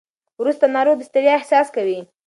وروسته ناروغ د ستړیا احساس کوي.